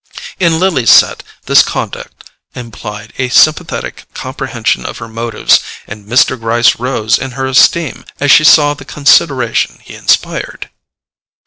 In Lily's set this conduct implied a sympathetic comprehension of her motives, and Mr. Gryce rose in her esteem as she saw the consideration he inspired.